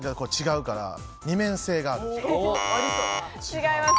違います。